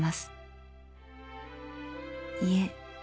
いえ。